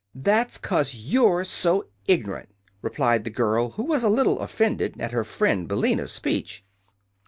"That's 'cause you're so ign'rant," replied the girl, who was a little offended at her friend Billina's speech.